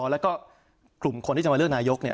แล้วก็กลุ่มคนที่จะมาเลือกนายก